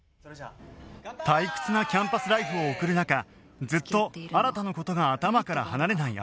退屈なキャンパスライフを送る中ずっと新の事が頭から離れない葵